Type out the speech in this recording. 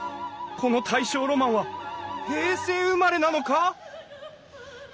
この大正ロマンは平成生まれなのか！？